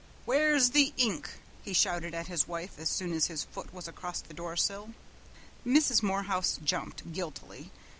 "Where's the ink?" he shouted at his wife as soon as his foot was across the doorsill. Mrs. Morehouse jumped, guiltily.